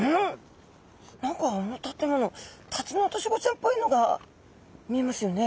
何かあの建物タツノオトシゴちゃんっぽいのが見えますよね。